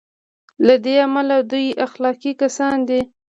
له دې امله دوی اخلاقي کسان دي.